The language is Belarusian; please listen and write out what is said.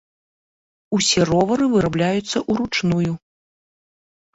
Усе ровары вырабляюцца ўручную.